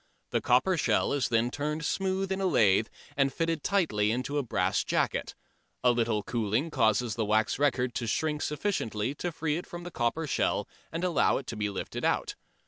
The copper shell is then turned smooth in a lathe and fitted tightly into a brass jacket. A little cooling causes the wax record to shrink sufficiently to free it from the copper shell and allow it to be lifted out.